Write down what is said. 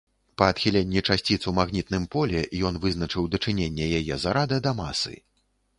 Па адхіленні часціц у магнітам поле ён вызначыў дачыненне яе зарада да масы.